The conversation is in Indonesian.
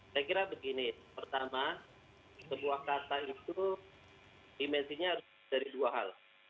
saya kira begini pertama sebuah kata itu dimensinya harus dari dua hal